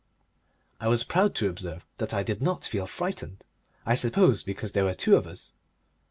I was proud to observe that I did not feel frightened I suppose because there were two of us.